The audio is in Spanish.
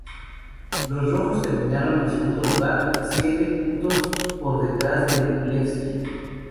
Los Rojos terminaron en segundo lugar, siete puntos por detrás del Levski.